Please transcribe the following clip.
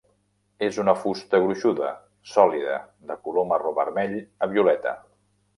És una fusta gruixuda, sòlida, de color marró vermell a violeta.